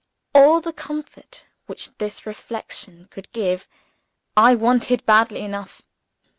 All the comfort which this reflection could give, I wanted badly enough.